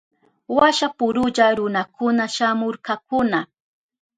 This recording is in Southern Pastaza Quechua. Washapuralla runakuna shamurkakuna.